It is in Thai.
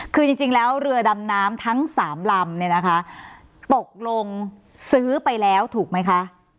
คือจริงแล้วเรือดำน้ำทั้งสามลำเนี่ยนะคะตกลงซื้อไปแล้วถูกไหมคะ